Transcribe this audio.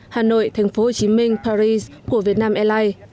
hà nội thành phố hồ chí minh paris của việt nam airlines